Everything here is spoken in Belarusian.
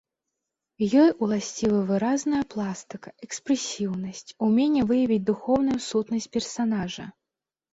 Ёй уласцівы выразная пластыка, экспрэсіўнасць, уменне выявіць духоўную сутнасць персанажа.